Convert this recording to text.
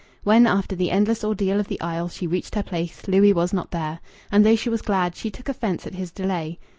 When, after the endless ordeal of the aisle, she reached her place, Louis was not there. And though she was glad, she took offence at his delay.